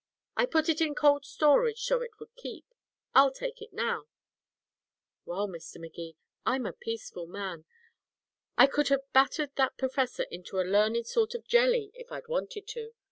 I put it in cold storage so it would keep. I'll take it now.' Well, Mr. Magee, I'm a peaceful man. I could have battered that professor into a learned sort of jelly if I'd wanted to.